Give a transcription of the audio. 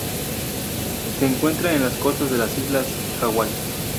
Se encuentra en las costas de las islas Hawái.